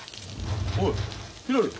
おいひらり。